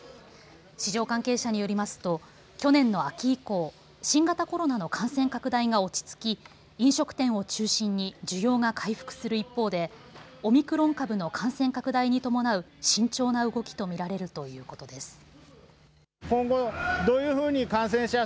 市場関係者によりますと去年の秋以降、新型コロナの感染拡大が落ち着き飲食店を中心に需要が回復する一方でオミクロン株の感染拡大に伴う慎重な動きと見られるということです。